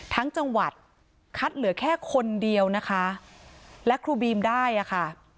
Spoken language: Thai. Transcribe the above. จังหวัดคัดเหลือแค่คนเดียวนะคะและครูบีมได้อ่ะค่ะ